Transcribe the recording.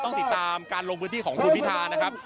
ต้องติดตามการลงพื้นที่ของคุณพิธานะครับ